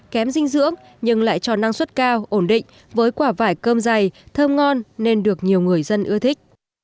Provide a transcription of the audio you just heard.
kém dinh dưỡng nhưng lại cho năng suất cao ổn định với quả vải cơm dày thơm ngon nên được nhiều người dân ưa thích